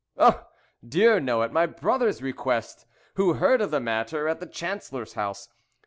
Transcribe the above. "Oh! dear no, at my brother's request, who heard of the matter at the Chancellor's house.